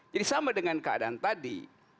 jadi sama dengan keadaan tadi